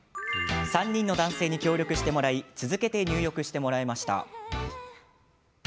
３人の男性に協力してもらい続けて入浴してもらいました。